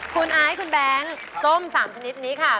คุณไอซ์คุณแบงค์ส้ม๓ชนิดนี้ค่ะ